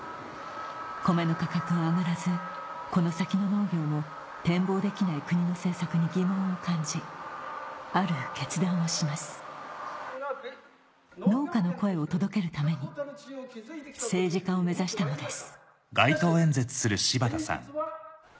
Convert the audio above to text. コメの価格は上がらずこの先の農業も展望できない国の政策に疑問を感じある決断をします農家の声を届けるために政治家を目指したのですしかし現実は。